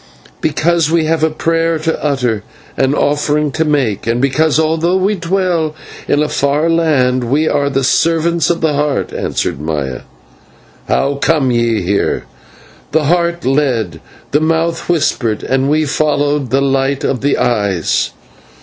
'" "Because we have a prayer to utter, an offering to make, and because, although we dwell in a far land, we are the servants of the Heart," answered Maya. "How come ye here?" "The Heart led, the Mouth whispered, and we followed the light of the Eyes."